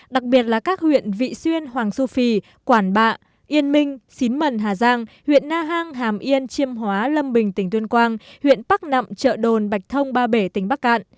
đặc biệt là các huyện vị xuyên hoàng su phi quản bạ yên minh xín mần hà giang huyện na hàng hàm yên chiêm hóa lâm bình tỉnh tuyên quang huyện bắc nậm chợ đồn bạch thông ba bể tỉnh bắc cạn